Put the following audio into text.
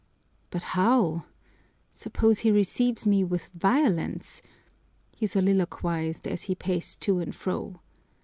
"But how? Suppose he receives me with violence?" he soliloquized, as he paced to and fro.